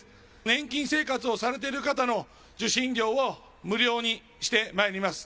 年金生活されている方の受信料を無料にしてまいります。